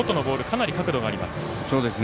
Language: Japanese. かなり角度があります。